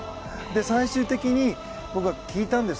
最終的に僕は聞いたんです。